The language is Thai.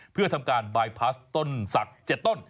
เพื่อทำการบายพลาสต้นศักดิ์๗ต้น